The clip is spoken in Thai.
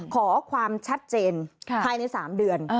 ขอความชัดเจนภายใน๓เดือน